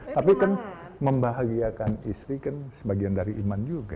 tapi kan membahagiakan istri kan sebagian dari iman juga